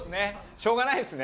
しょうがないですね。